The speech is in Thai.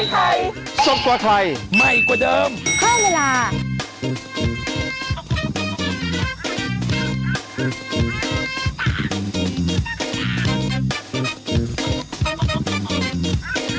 โปรดติดตามตอนต่อไป